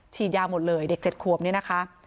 ฉีดยาหมดเลยเด็กเจ็ดขวบนี้นะคะ